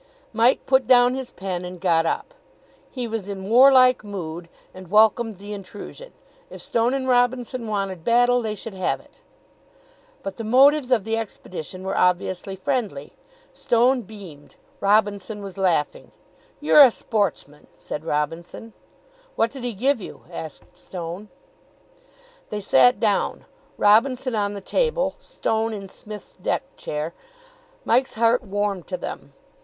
Mike put down his pen, and got up. He was in warlike mood, and welcomed the intrusion. If Stone and Robinson wanted battle, they should have it. But the motives of the expedition were obviously friendly. Stone beamed. Robinson was laughing. "You're a sportsman," said Robinson. "What did he give you?" asked Stone. They sat down, Robinson on the table, Stone in Psmith' s deck chair. Mike's heart warmed to them.